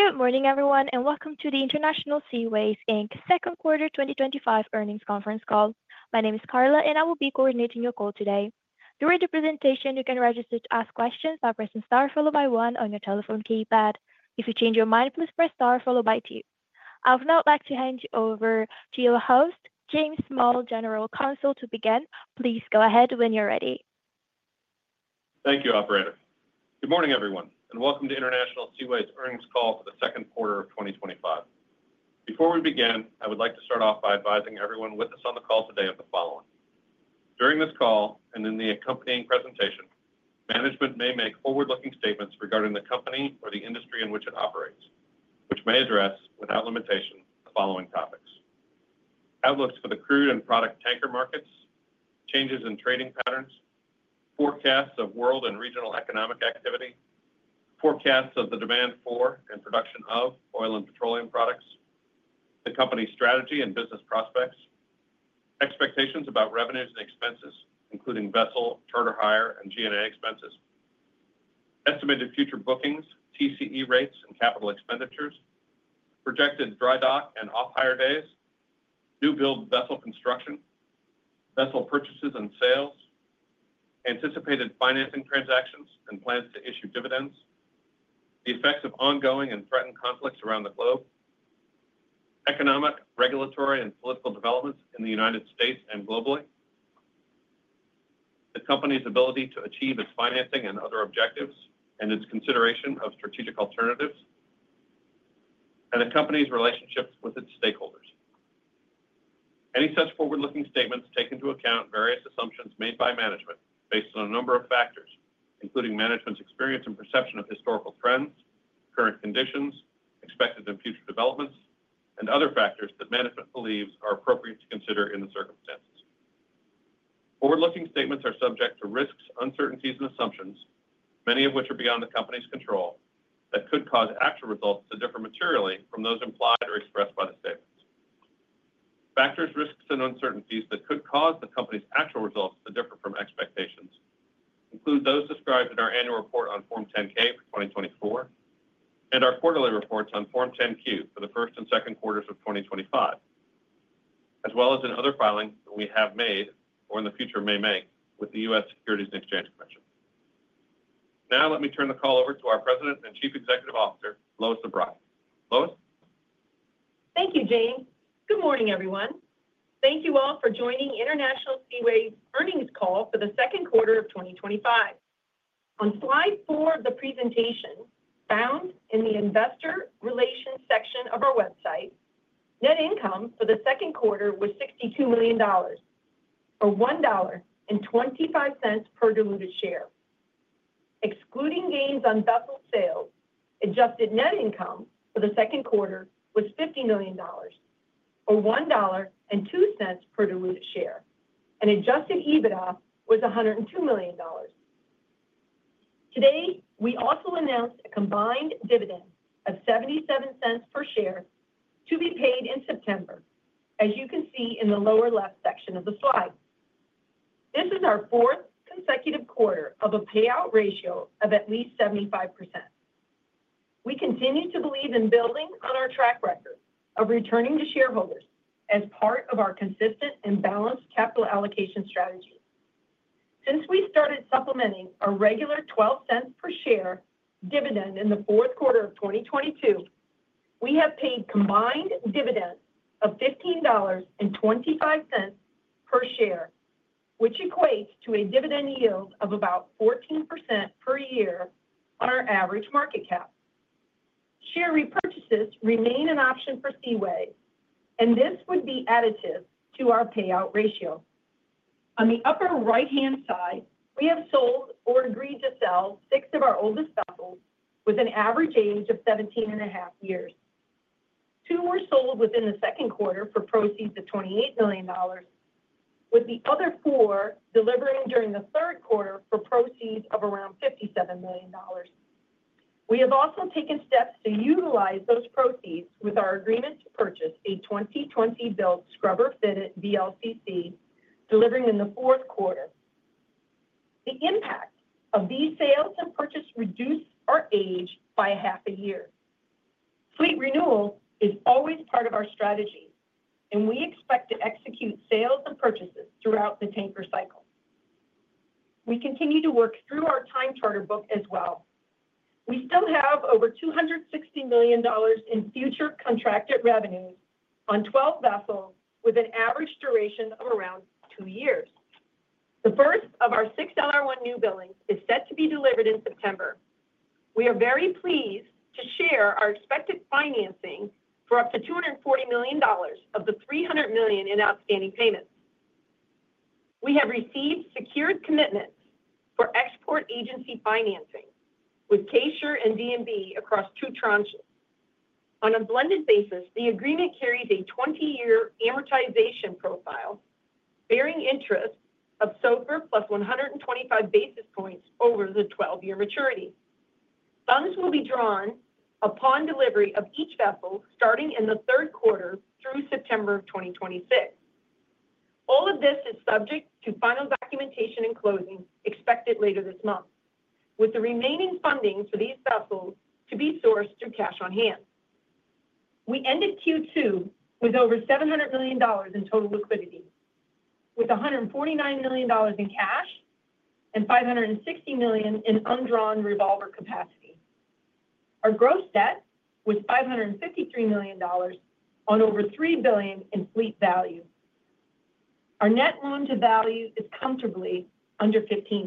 Good morning, everyone, and welcome to the International Seaways Inc Second Quarter 2025 Earnings Conference Call. My name is Carla, and I will be coordinating your call today. During the presentation, you can register to ask questions by pressing star followed by one on your telephone keypad. If you change your mind, please press star followed by two. I would now like to hand you over to your host, James Small, General Counsel, to begin. Please go ahead when you're ready. Thank you, operator. Good morning, everyone, and welcome to International Seaways' Earnings Call for the Second Quarter of 2025. Before we begin, I would like to start off by advising everyone with us on the call today of the following: During this call and in the accompanying presentation, management may make forward-looking statements regarding the company or the industry in which it operates, which may address, without limitation, the following topics: Outlooks for the crude and product tanker markets, changes in trading patterns, forecasts of world and regional economic activity, forecasts of the demand for and production of oil and petroleum products, the company's strategy and business prospects, expectations about revenues and expenses, including vessel, charter hire, and G&A expenses, estimated future bookings, TCE rates, and capital expenditures, projected dry dock and off-hire days, new build vessel construction, vessel purchases and sales, anticipated financing transactions, and plans to issue dividends, the effects of ongoing and threatened conflicts around the globe, economic, regulatory, and political developments in the United States and globally, the company's ability to achieve its financing and other objectives, and its consideration of strategic alternatives, and the company's relationships with its stakeholders. Any such forward-looking statements take into account various assumptions made by management based on a number of factors, including management's experience and perception of historical trends, current conditions, expected and future developments, and other factors that management believes are appropriate to consider in the circumstances. Forward-looking statements are subject to risks, uncertainties, and assumptions, many of which are beyond the company's control, that could cause actual results to differ materially from those implied or expressed by the statements. Factors, risks, and uncertainties that could cause the company's actual results to differ from expectations include those described in our annual report on Form 10-K for 2024 and our quarterly reports on Form 10-Q for the first and second quarters of 2025, as well as in other filings that we have made or in the future may make with the U.S. Securities and Exchange Commission. Now, let me turn the call over to our President and Chief Executive Officer, Lois Zabrocky. Lois? Thank you, James. Good morning, everyone. Thank you all for joining International Seaways' earnings call for the second quarter of 2025. On slide four of the presentation, found in the Investor Relations section of our website, net income for the second quarter was $62 million or $1.25 per diluted share. Excluding gains on vessel sales, adjusted net income for the second quarter was $50 million or $1.02 per diluted share, and adjusted EBITDA was $102 million. Today, we also announced a combined dividend of $0.77 per share to be paid in September, as you can see in the lower left section of the slide. This is our fourth consecutive quarter of a payout ratio of at least 75%. We continue to believe in building on our track record of returning to shareholders as part of our consistent and balanced capital allocation strategy. Since we started supplementing a regular $0.12 per share dividend in the fourth quarter of 2022, we have paid combined dividends of $15.25 per share, which equates to a dividend yield of about 14% per year on our average market cap. Share repurchases remain an option for Seaways, and this would be additive to our payout ratio. On the upper right-hand side, we have sold or agreed to sell six of our oldest vessels with an average age of 17.5 years. Two were sold within the second quarter for proceeds of $28 million, with the other four delivering during the third quarter for proceeds of around $57 million. We have also taken steps to utilize those proceeds with our agreements to purchase a 2020-built scrubber-fitted VLCC delivering in the fourth quarter. The impact of these sales and purchases reduced our age by half a year. Fleet renewal is always part of our strategy, and we expect to execute sales and purchases throughout the tanker cycle. We continue to work through our time charter book as well. We still have over $260 million in future contracted revenue on 12 vessels with an average duration of around two years. The first of our six LR1 newbuildings is set to be delivered in September. We are very pleased to share our expected financing for up to $240 million of the $300 million in outstanding payments. We have received secured commitments for export agency financing with K-SURE and DNB across two tranches. On a blended basis, the agreement carries a 20-year amortization profile bearing interest of SOFR plus 125 basis points over the 12-year maturity. Funds will be drawn upon delivery of each vessel starting in the third quarter through September of 2026. All of this is subject to final documentation and closing expected later this month, with the remaining funding for these vessels to be sourced through cash on hand. We ended Q2 with over $700 million in total liquidity, with $149 million in cash and $560 million in undrawn revolver capacity. Our gross debt was $553 million on over $3 billion in fleet value. Our net loan-to-value is comfortably under 15%.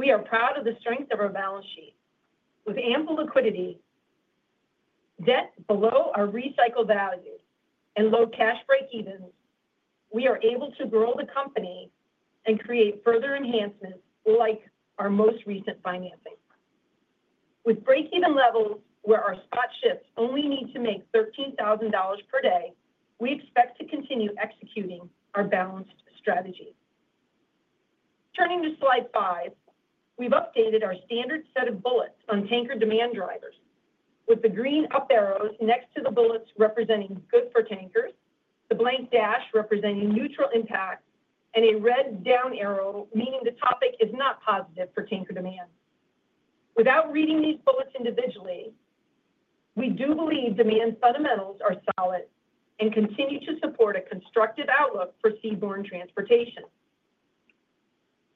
We are proud of the strength of our balance sheet. With ample liquidity, debt below our recycle value, and low cash break-even, we are able to grow the company and create further enhancements like our most recent financing. With break-even levels where our spot ships only need to make $13,000 per day, we expect to continue executing our balanced strategy. Turning to slide five, we've updated our standard set of bullets on tanker demand drivers, with the green up arrow next to the bullets representing good for tankers, the blank dash representing neutral impact, and a red down arrow meaning the topic is not positive for tanker demand. Without reading these bullets individually, we do believe demand fundamentals are solid and continue to support a constructive outlook for seaborne transportation.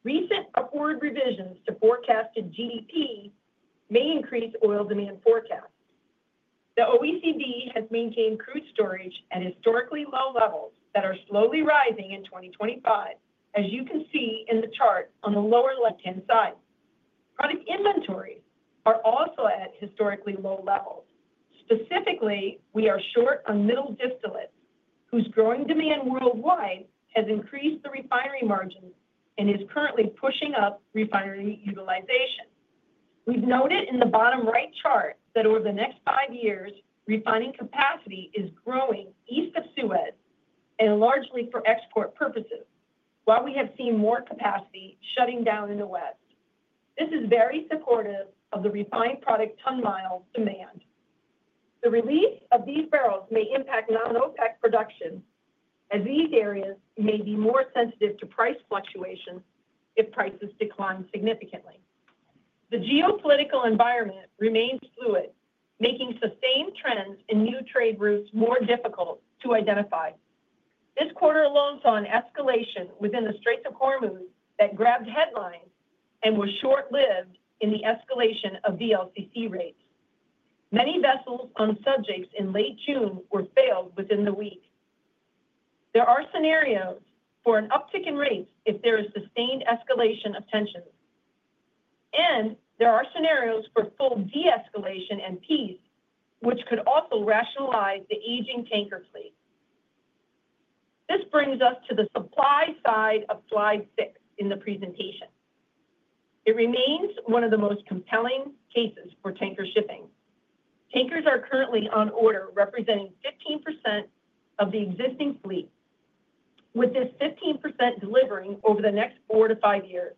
Recent upward revisions to forecasted GDP may increase oil demand forecasts. The OECD has maintained crude storage at historically low levels that are slowly rising in 2025, as you can see in the chart on the lower left-hand side. Our inventory is also at historically low levels. Specifically, we are short on middle distillates, whose growing demand worldwide has increased the refinery margins and is currently pushing up refinery utilization. We've noted in the bottom right chart that over the next five years, refining capacity is growing east of Suez and largely for export purposes, while we have seen more capacity shutting down in the West. This is very supportive of the refined product ton mile demand. The release of these barrels may impact non-OPEC production, as these areas may be more sensitive to price fluctuations if prices decline significantly. The geopolitical environment remains fluid, making sustained trends in new trade routes more difficult to identify. This quarter alone saw an escalation within the Straits of Hormuz that grabbed headlines and was short-lived in the escalation of VLCC rates. Many vessels on subjects in late June were failed within the week. There are scenarios for an uptick in rates if there is sustained escalation of tensions, and there are scenarios for full de-escalation and peace, which could also rationalize the aging tanker fleet. This brings us to the supply side of slide six in the presentation. It remains one of the most compelling cases for tanker shipping. Tankers are currently on order, representing 15% of the existing fleet, with just 15% delivering over the next four to five years.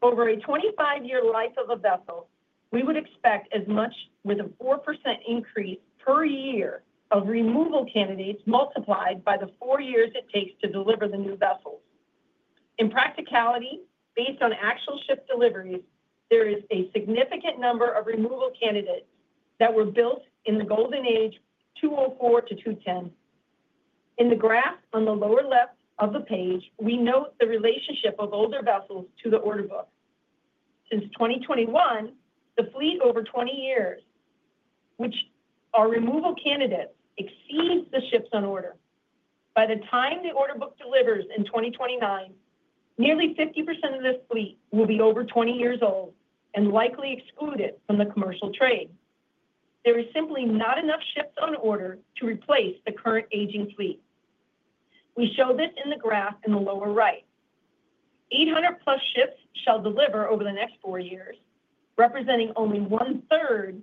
Over a 25-year life of a vessel, we would expect as much with a 4% increase per year of removal candidates multiplied by the four years it takes to deliver the new vessel. In practicality, based on actual ship deliveries, there is a significant number of removal candidates that were built in the golden age of 2004 to 2010. In the graph on the lower left of the page, we note the relationship of older vessels to the order book. Since 2021, the fleet over 20 years, which are removal candidates, exceeds the ships on order. By the time the order book delivers in 2029, nearly 50% of this fleet will be over 20 years old and likely excluded from the commercial trade. There is simply not enough ships on order to replace the current aging fleet. We show this in the graph in the lower right. 800 plus ships shall deliver over the next four years, representing only one-third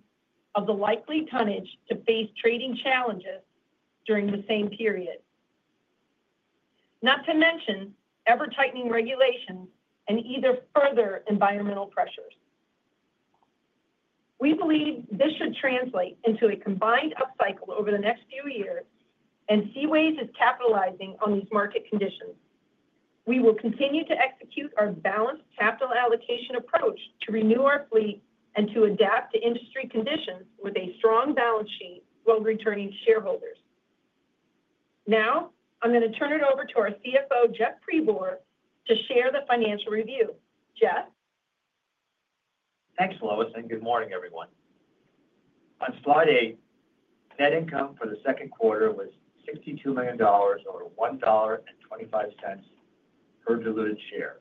of the likely tonnage to face trading challenges during the same period. Not to mention ever-tightening regulations and either further environmental pressures. We believe this should translate into a combined upcycle over the next few years, and Seaways is capitalizing on these market conditions. We will continue to execute our balanced capital allocation approach to renew our fleet and to adapt to industry conditions with a strong balance sheet while returning to shareholders. Now, I'm going to turn it over to our CFO, Jeff Pribor, to share the financial review. Jeff? Thanks, Lois, and good morning, everyone. On slide eight, net income for the second quarter was $62 million or $1.25 per diluted share.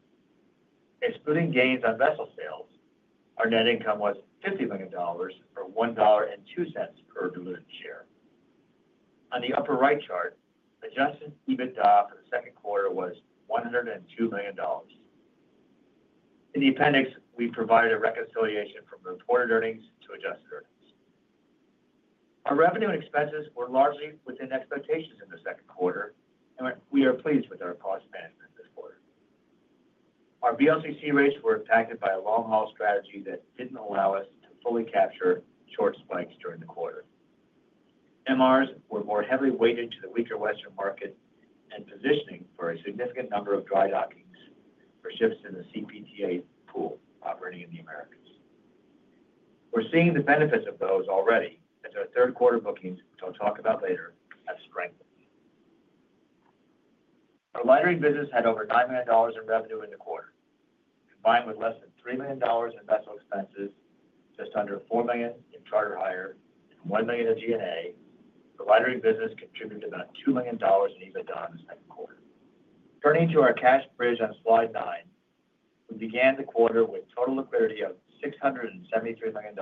Excluding gains on vessel sales, our net income was $50 million or $1.02 per diluted share. On the upper right chart, adjusted EBITDA for the second quarter was $102 million. In the appendix, we provided a reconciliation from reported earnings to adjusted earnings. Our revenue and expenses were largely within expectations in the second quarter, and we are pleased with our cost management this quarter. Our VLCC rates were impacted by a long-haul strategy that didn't allow us to fully capture short spikes during the quarter. MRs were more heavily weighted to the weaker Western market and positioning for a significant number of dry docking for ships in the CPTA pool operating in the Americas. We're seeing the benefits of those already, as our third-quarter bookings, which I'll talk about later, have strengthened. Our lightering business had over $9 million in revenue in the quarter, combined with less than $3 million in vessel expenses, just under $4 million in charter hire, $1 million in G&A. The lightering business contributed about $2 million in EBITDA in the second quarter. Turning to our cash bridge on slide nine, we began the quarter with total liquidity of $673 million,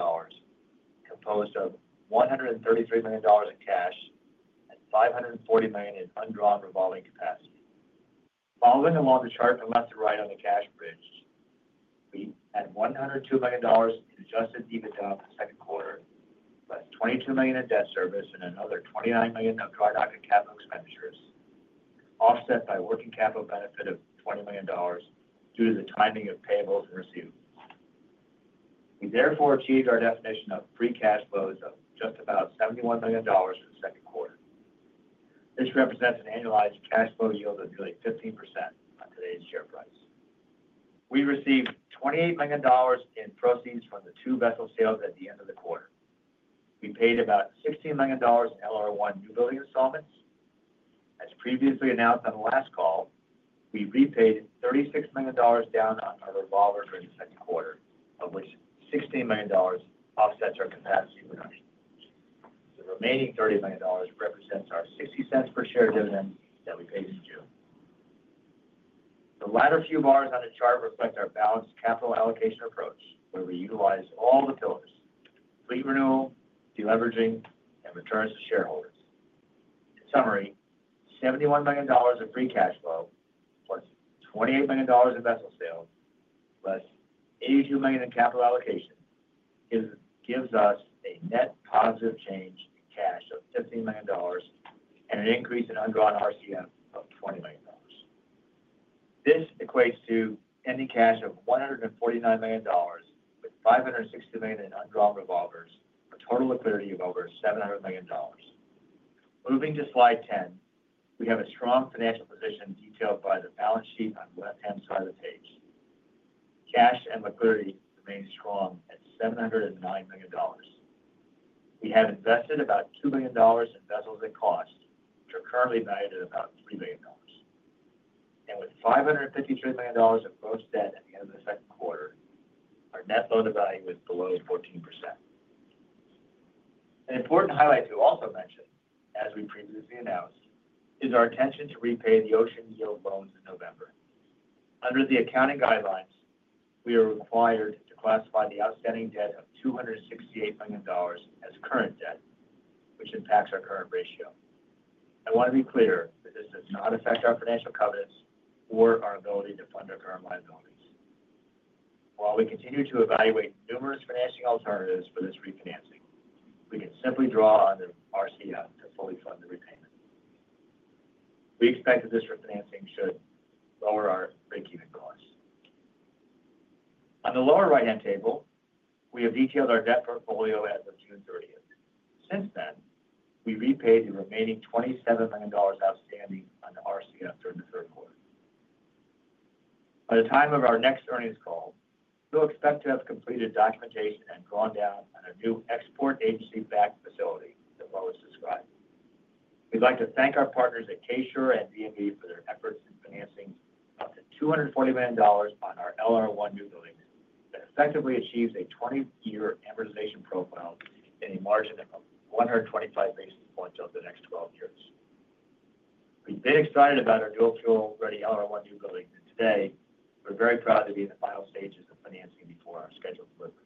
composed of $133 million in cash and $540 million in undrawn revolving capacity. Following along the chart on the left and right on the cash bridge, we had $102 million in adjusted EBITDA in the second quarter, less than $22 million in debt service, and another $29 million in dry docking capital expenditures, offset by a working capital benefit of $20 million due to the timing of payables that were received. We therefore achieved our definition of free cash flows of just about $71 million in the second quarter. This represents an annualized cash flow yield of nearly 15% on today's share price. We received $28 million in proceeds from the two vessel sales at the end of the quarter. We paid about $16 million in LR1 newbuilding installments. As previously announced on the last call, we repaid $36 million down on our revolver for the second quarter, of which $16 million offsets our capacity reduction. Remaining $30 million represents our $0.50 per share dividend that we paid in June. The latter few bars on the chart reflect our balanced capital allocation approach, where we utilize all the pillars: fleet renewal, deleveraging, and returns to shareholders. In summary, $71 million in free cash flow plus $28 million in vessel sales, plus $82 million in capital allocation, gives us a net positive change in cash of $15 million and an increase in undrawn RCM of $20 million. This equates to ending cash of $149 million with $560 million in undrawn revolvers, total liquidity of over $700 million. Moving to slide 10, we have a strong financial position detailed by the balance sheet on the left-hand side of the page. Cash and liquidity remain strong at $709 million. We have invested about $2 million in vessels at cost, which are currently valued at about $3 million. With $553 million of gross debt at the end of the second quarter, our net loan-to-value is below 14%. Important highlights we'll also mention, as we previously announced, is our intention to repay the Ocean Yield loans in November. Under the accounting guidelines, we are required to classify the outstanding debt of $268 million as current debt, which impacts our current ratio. I want to be clear that this does not affect our financial covenants or our ability to fund our current liabilities. While we continue to evaluate numerous financing alternatives for this refinancing, we can simply draw on the RCM to fully fund the repayment. We expect that this refinancing should lower our break-even costs. On the lower right-hand table, we have detailed our debt portfolio as of June 30th. Since then, we repaid the remaining $27 million outstanding on the RCM during the third quarter. By the time of our next earnings call, we'll expect to have completed documentation and gone down on a new export agency backed facility that was described. We'd like to thank our partners at K-SURE and DNB for their efforts in financing up to $240 million on our LR1 newbuilding that effectively achieves a 20-year amortization profile and a margin of 125 basis points over the next 12 years. We're a bit excited about our new fuel-ready LR1 newbuilding today. We're very proud to be in the final stages of financing before our scheduled quarters. We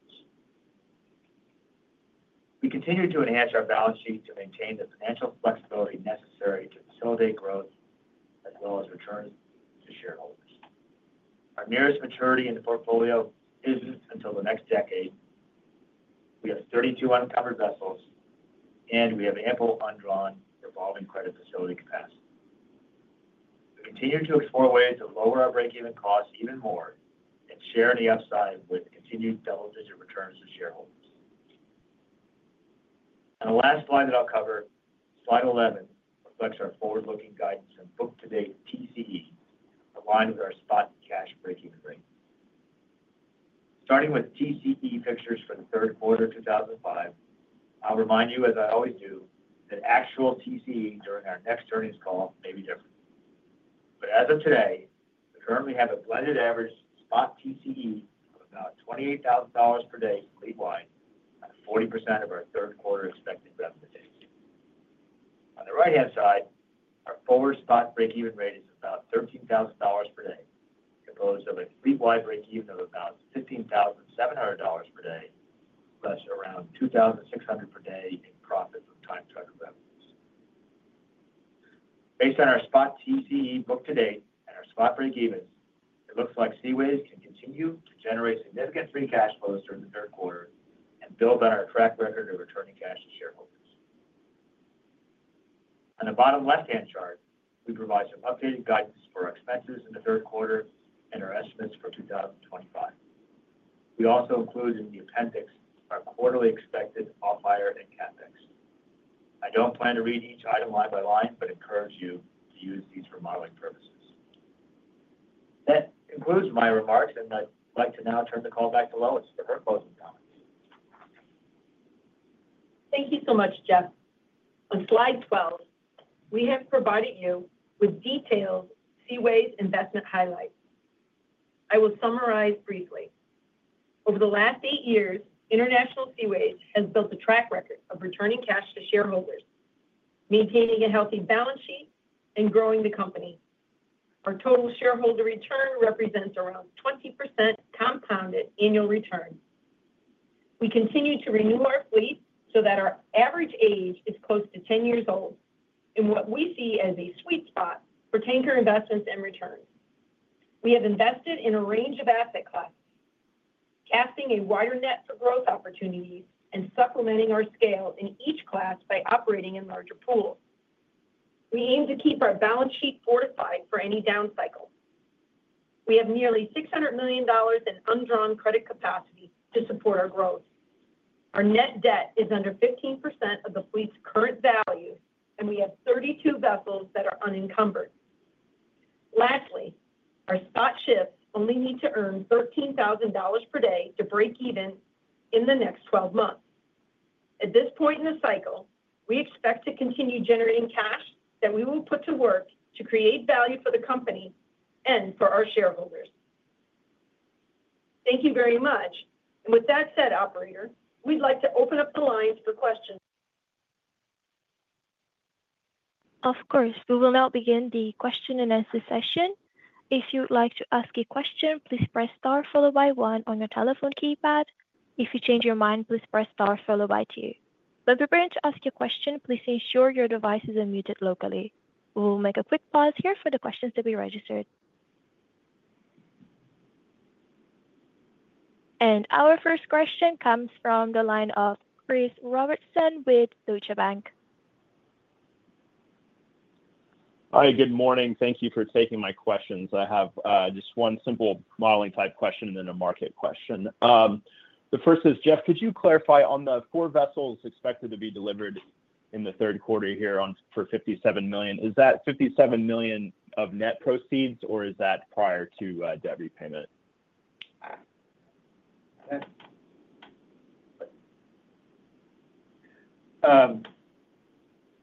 continue to enhance our balance sheet to maintain the financial flexibility necessary to facilitate growth, as well as returns to shareholders. Our nearest maturity in the portfolio isn't until the next decade. We have 32 uncovered vessels, and we have ample undrawn revolving credit facility capacity. We continue to explore ways to lower our break-even costs even more and share any upside with continued double-digit returns to shareholders. The last slide that I'll cover, slide 11, reflects our forward-looking guidance and book-to-date TCE, aligned with our spot cash break-even rate. Starting with TCE fixtures for the third quarter of 2025, I'll remind you, as I always do, that actual TCE during our next earnings call may be different. As of today, we currently have a blended average spot TCE of about $28,000 per day fleet-wide, at 40% of our third quarter expected revenue to date. On the right-hand side, our forward spot break-even rate is about $13,000 per day, composed of a fleet-wide break-even of about $15,700 per day, plus around $2,600 per day in profit from time chartered revenues. Based on our spot TCE book-to-date and our spot break-even, it looks like International Seaways can continue to generate significant free cash flows during the third quarter and build on our track record of returning cash to shareholders. On the bottom left-hand chart, we provide some updated guidance for our expenses in the third quarter and our estimates for 2025. We also include in the appendix our quarterly expected off-hire and CapEx. I don't plan to read each item line by line, but encourage you to use these for modeling purposes. That concludes my remarks, and I'd like to now turn the call back to Lois for her closing comments. Thank you so much, Jeff. On slide 12, we have provided you with detailed Seaways investment highlights. I will summarize briefly. Over the last eight years, International Seaways has built a track record of returning cash to shareholders, maintaining a healthy balance sheet, and growing the company. Our total shareholder return represents around 20% compounded annual return. We continue to renew our fleet so that our average age is close to 10 years old in what we see as a sweet spot for tanker investments and returns. We have invested in a range of asset classes, casting a wider net for growth opportunities and supplementing our scale in each class by operating in larger pools. We aim to keep our balance sheet fortified for any down cycle. We have nearly $600 million in undrawn credit capacity to support our growth. Our net debt is under 15% of the fleet's current value, and we have 32 vessels that are unencumbered. Lastly, our spot ships only need to earn $13,000 per day to break even in the next 12 months. At this point in the cycle, we expect to continue generating cash that we will put to work to create value for the company and for our shareholders. Thank you very much. With that said, operator, we'd like to open up the lines for questions. Of course, we will now begin the question and answer session. If you would like to ask a question, please press star followed by one on your telephone keypad. If you change your mind, please press star followed by two. When preparing to ask a question, please ensure your device is unmuted locally. We will make a quick pause here for the questions to be registered. Our first question comes from the line of Chris Robertson with Deutsche Bank. Hi, good morning. Thank you for taking my questions. I have just one simple modeling type question and a market question. The first is, Jeff, could you clarify on the four vessels expected to be delivered in the third quarter here for $57 million, is that $57 million of net proceeds, or is that prior to debt repayment?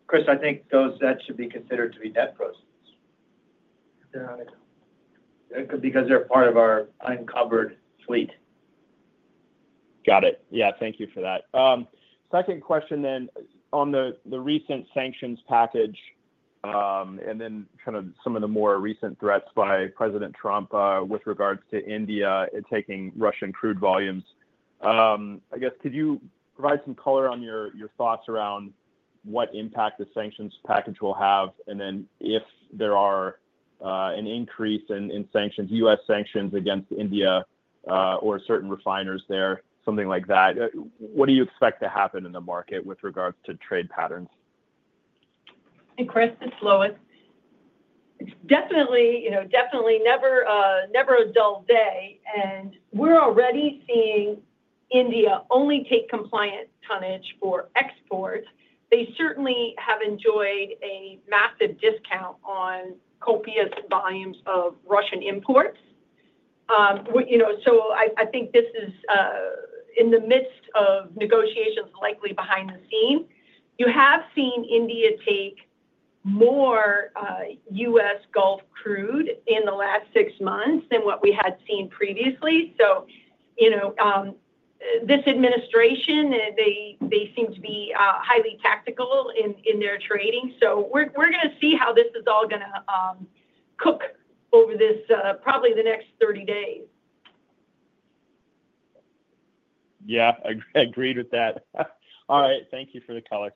Chris, I think those debts should be considered to be net proceeds. They're not because they're part of our uncovered fleet. Got it. Thank you for that. Second question, on the recent sanctions package, and some of the more recent threats by President Trump with regards to India and taking Russian crude volumes. Could you provide some color on your thoughts around what impact the sanctions package will have, and if there are an increase in U.S. sanctions against India or certain refiners there, something like that? What do you expect to happen in the market with regards to trade patterns? Chris, it's Lois. It's definitely never a dull day, and we're already seeing India only take compliant tonnage for exports. They certainly have enjoyed a massive discount on copious volumes of Russian imports. I think this is in the midst of negotiations likely behind the scene. You have seen India take more U.S. Gulf crude in the last six months than what we had seen previously. This administration seems to be highly tactical in their trading. We're going to see how this is all going to cook over probably the next 30 days. Yeah, I agree with that. All right, thank you for the caller.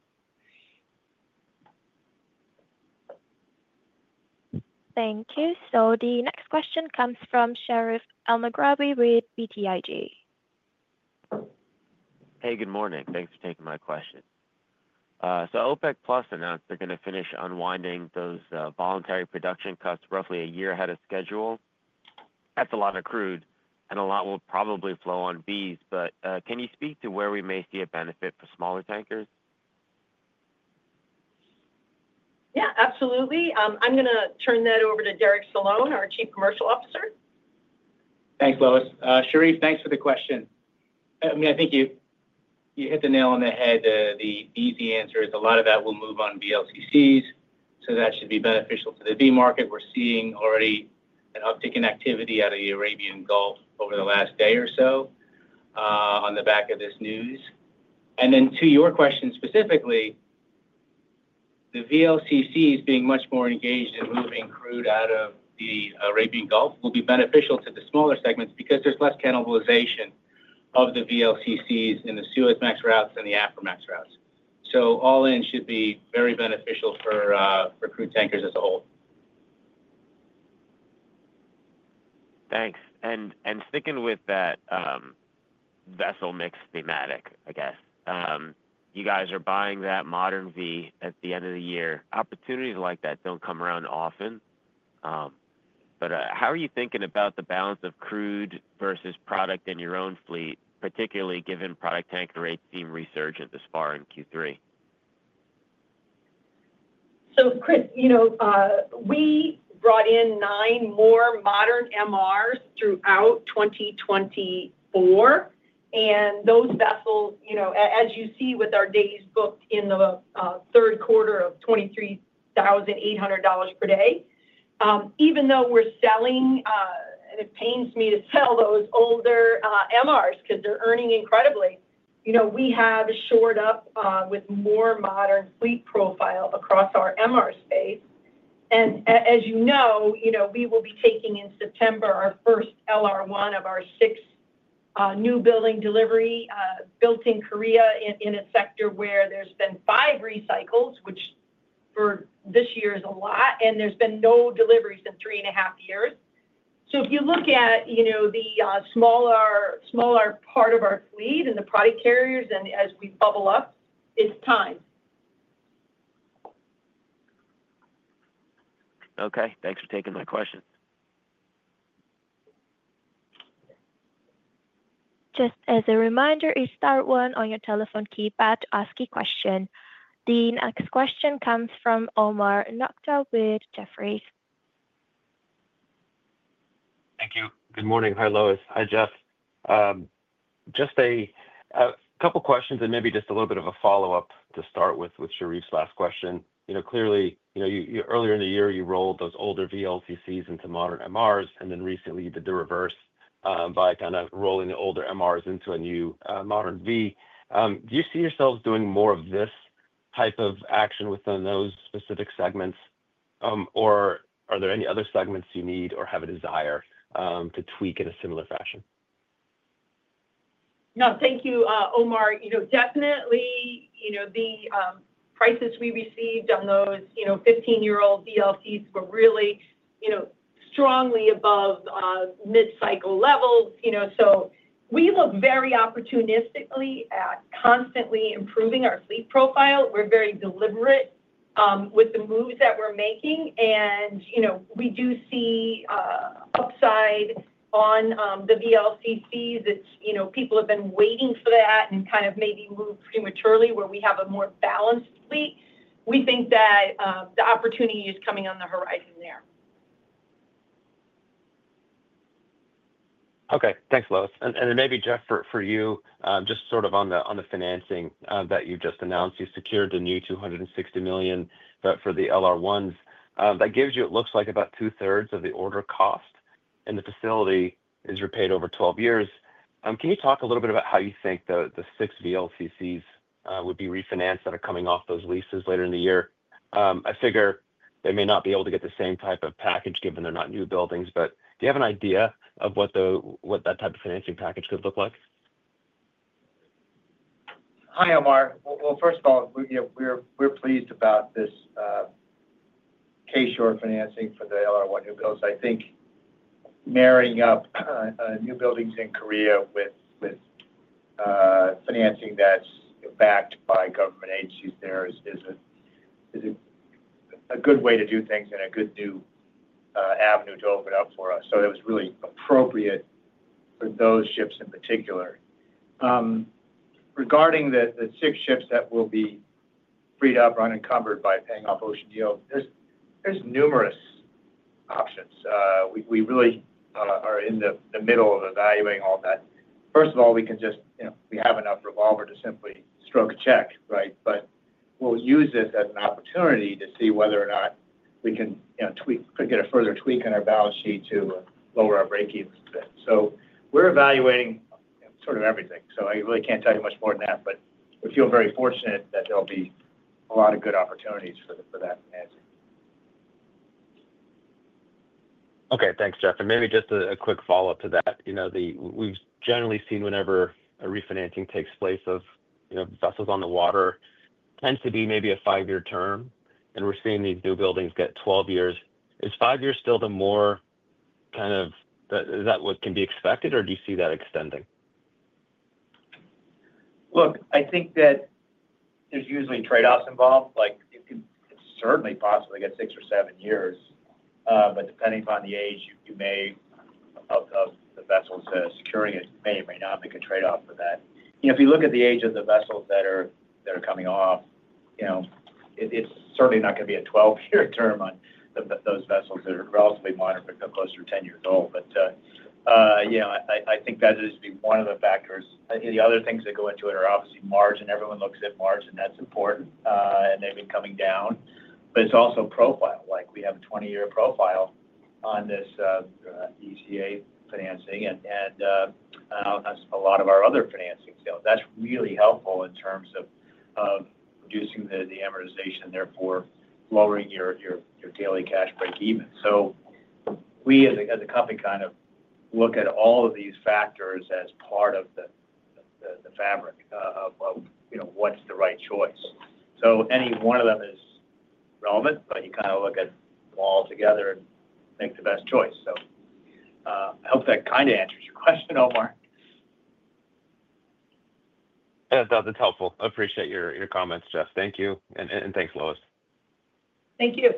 Thank you. The next question comes from Sherif Elmaghrabi with BTIG. Hey, good morning. Thanks for taking my question. OPEC+ announced they're going to finish unwinding those voluntary production cuts roughly a year ahead of schedule. That's a lot of crude, and a lot will probably flow on VLCCs. Can you speak to where we may see a benefit for smaller tankers? Yeah, absolutely. I'm going to turn that over to Derek Solon, our Chief Commercial Officer. Thanks, Lois. Sherif, thanks for the question. I mean, I think you hit the nail on the head. The easy answer is a lot of that will move on VLCCs, so that should be beneficial to the VLCC market. We're seeing already an uptick in activity out of the Arabian Gulf over the last day or so on the back of this news. To your question specifically, the VLCCs being much more engaged in moving crude out of the Arabian Gulf will be beneficial to the smaller segments because there's less cannibalization of the VLCCs in the Suezmax routes and the Aframax routes. All in, should be very beneficial for crude tankers as a whole. Thanks. Sticking with that vessel mix thematic, I guess you guys are buying that modern VLCC at the end of the year. Opportunities like that don't come around often. How are you thinking about the balance of crude versus product in your own fleet, particularly given product tanker rates seem resurgent this far in Q3? Sure, Chris, you know, we brought in nine more modern MRs throughout 2024, and those vessels, as you see with our days booked in the third quarter of $23,800 per day, even though we're selling, and it pains me to sell those older MRs because they're earning incredibly, we have shored up with more modern fleet profile across our MR space. As you know, we will be taking in September our first LR1 newbuilding of our six newbuilding delivery built in Korea in a sector where there's been five recycles, which for this year is a lot, and there's been no deliveries in three and a half years. If you look at the smaller part of our fleet and the product carriers, and as we bubble up, it's time. Okay, thanks for taking my question. Just as a reminder, you start one on your telephone keypad to ask a question. The next question comes from Omar Nokta with Jefferies. Thank you. Good morning. Hi, Lois. Hi, Jeff. Just a couple of questions and maybe just a little bit of a follow-up to start with Sherif's last question. Clearly, earlier in the year, you rolled those older VLCCs into modern MRs, and then recently you did the reverse by kind of rolling the older MRs into a new modern V. Do you see yourselves doing more of this type of action within those specific segments, or are there any other segments you need or have a desire to tweak in a similar fashion? No, thank you, Omar. The prices we received on those 15-year-old VLCCs were really strongly above mid-cycle levels. We look very opportunistically at constantly improving our fleet profile. We're very deliberate with the moves that we're making, and we do see upside on the VLCCs. People have been waiting for that and kind of maybe moved prematurely where we have a more balanced fleet. We think that the opportunity is coming on the horizon there. Okay, thanks, Lois. Maybe, Jeff, for you, just sort of on the financing that you just announced, you secured a new $260 million for the LR1s. That gives you, it looks like, about two-thirds of the order cost, and the facility is repaid over 12 years. Can you talk a little bit about how you think the six VLCCs would be refinanced that are coming off those leases later in the year? I figure they may not be able to get the same type of package given they're not newbuildings, but do you have an idea of what that type of financing package could look like? Hi, Omar. First of all, we're pleased about this K-SURE financing for the LR1 newbuildings. I think marrying up newbuildings in Korea with financing that's backed by government agencies there is a good way to do things and a good new avenue to open up for us. It was really appropriate for those ships in particular. Regarding the six ships that will be freed up or unencumbered by paying off Ocean Yield, there are numerous options. We really are in the middle of evaluating all of that. First of all, we have enough revolver to simply stroke a check, right? We'll use this as an opportunity to see whether or not we can get a further tweak on our balance sheet to lower our break-even spend. We're evaluating sort of everything. I really can't tell you much more than that, but we feel very fortunate that there'll be a lot of good opportunities for that financing. Okay, thanks, Jeff. Maybe just a quick follow-up to that. We've generally seen whenever a refinancing takes place of vessels on the water, it tends to be maybe a five-year term, and we're seeing these new buildings get 12 years. Is five years still the more kind of, is that what can be expected, or do you see that extending? Look, I think that there's usually trade-offs involved. You could certainly possibly get six or seven years, but depending upon the age of the vessels that are securing it, you may or may not make a trade-off for that. If you look at the age of the vessels that are coming off, it's certainly not going to be a 12-year term on those vessels that are relatively modern, but no closer to 10 years old. I think that is one of the factors. The other things that go into it are obviously margin. Everyone looks at margin. That's important, and they've been coming down. It's also profile. We have a 20-year profile on this export agency financing and on a lot of our other financing too. That's really helpful in terms of reducing the amortization and therefore lowering your daily cash break-even. We, as a company, kind of look at all of these factors as part of the fabric of what's the right choice. Any one of them is relevant, but you kind of look at them all together and make the best choice. I hope that kind of answers your question, Omar. Yeah, no, that's helpful. I appreciate your comments, Jeff. Thank you. Thanks, Lois. Thank you.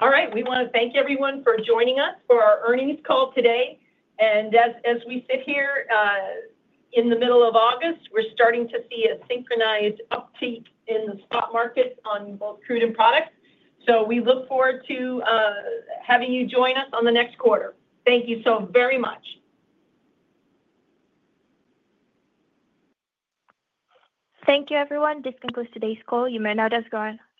All right. We want to thank everyone for joining us for our earnings call today. As we sit here in the middle of August, we're starting to see a synchronized uptake in the spot market on both crude and products. We look forward to having you join us on the next quarter. Thank you so very much. Thank you, everyone. This concludes today's call. You may now disconnect.